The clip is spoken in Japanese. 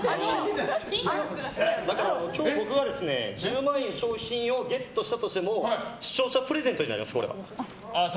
今日、僕は１０万円の商品をゲットしたとしても視聴者プレゼントになります。